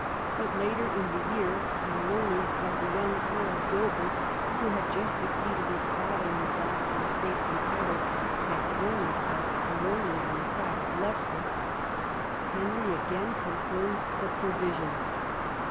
But later in the year, on learning that the young Earl Gilbert, who had just succeeded his father in the Gloucester estates and title, had thrown himself warmly on the side of Leicester, Henry again confirmed the 32 EDWARD I chap. Provisions.